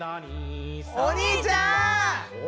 お兄ちゃん！